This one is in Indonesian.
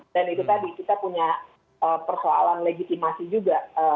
dan itu tadi kita punya persoalan legitimasi juga